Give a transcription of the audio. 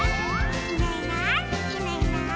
「いないいないいないいない」